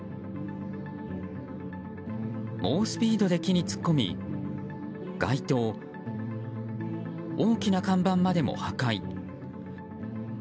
猛スピードで木に突っ込み街灯、大きな看板までも破壊。